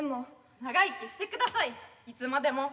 長生きしてくださいいつまでも。